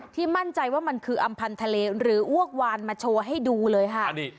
มั่นใจว่ามันคืออำพันธ์ทะเลหรืออ้วกวานมาโชว์ให้ดูเลยค่ะ